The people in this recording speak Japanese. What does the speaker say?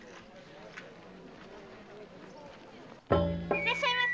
いらっしゃいませ。